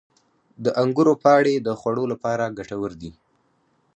• د انګورو پاڼې د خوړو لپاره ګټور دي.